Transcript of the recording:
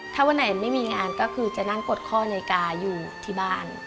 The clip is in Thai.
ถ้าวันไหนไม่มีงานก็คือจะนั่งกดข้อนาฬิกาอยู่ที่บ้าน